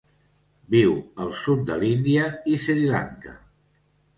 Viu al sud de l'Índia i Sri Lanka.